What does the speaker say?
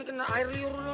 kena air liur dong nih